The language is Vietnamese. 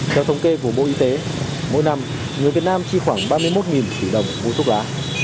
theo thống kê của bộ y tế mỗi năm người việt nam chi khoảng ba mươi một tỷ đồng mua thuốc lá